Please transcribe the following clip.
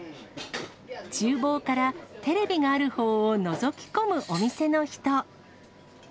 ちゅう房からテレビがあるほうをのぞき込むお店の人。